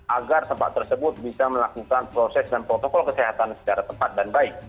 agar tempat tersebut bisa melakukan proses dan protokol kesehatan secara tepat dan baik